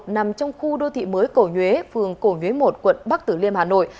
nằm trong khu đô thị mới cổ nhuế phường cổ nhuế một quận bắc tử liêm hà nội